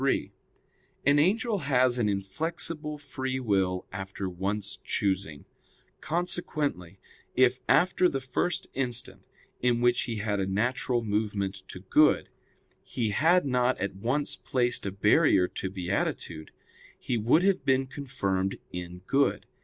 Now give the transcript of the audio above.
3: An angel has an inflexible free will after once choosing; consequently, if after the first instant, in which he had a natural movement to good, he had not at once placed a barrier to beatitude, he would have been confirmed in good.